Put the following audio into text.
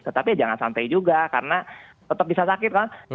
tetapi jangan sampai juga karena tetap bisa sakit kan